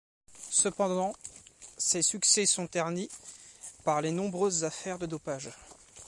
Cependant ces succès sont ternis par les nombreuses affaires de dopage.